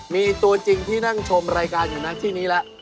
มีตัวจริงที่นั่งชมรายการอยู่นะที่นี้แล้ว